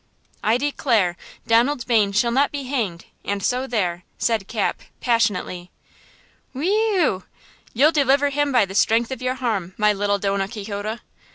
"I declare, Donald Bayne shall not be hanged–and so there!" said Cap, passionately. "Whe ew! You'll deliver him by the strength of your arm, my little Donna Quixota."